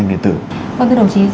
vâng thưa đồng chí